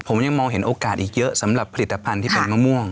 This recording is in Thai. ผมยังมองเห็นโอกาสอีกเยอะสำหรับผลิตภัณฑ์ที่เป็นมะม่วง